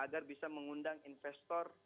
agar bisa mengundang investor yang masuk